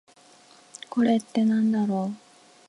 これってなんだろう？